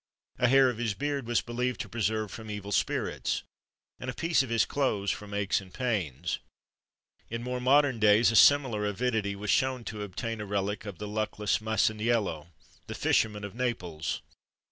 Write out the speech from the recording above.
A hair of his beard was believed to preserve from evil spirits, and a piece of his clothes from aches and pains. In more modern days, a similar avidity was shewn to obtain a relic of the luckless Masaniello, the fisherman of Naples.